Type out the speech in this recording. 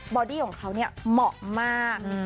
อดี้ของเขาเนี่ยเหมาะมาก